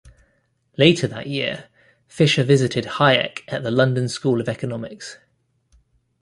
Later that year, Fisher visited Hayek at the London School of Economics.